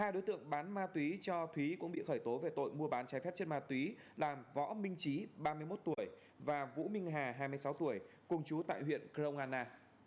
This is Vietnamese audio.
ba đối tượng bán ma túy cho thúy cũng bị khởi tố về tội mua bán trái phép chất ma túy là võ minh trí ba mươi một tuổi và vũ minh hà hai mươi sáu tuổi cùng chú tại huyện crong anna